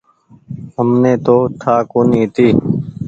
همني تو ٺآ ڪونيٚ هيتي۔